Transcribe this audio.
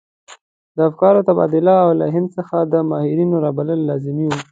د افکارو تبادله او له هند څخه د ماهرانو رابلل لازم وو.